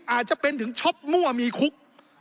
อาจจะเป็นถึงช็อปมั่วมีคุก